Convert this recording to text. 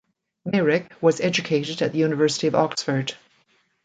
Meyrick was educated at the University of Oxford.